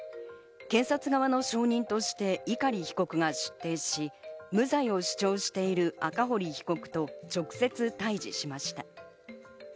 検察側の証人として碇被告が出廷し、無罪を主張している赤堀被告と直接対峙しました。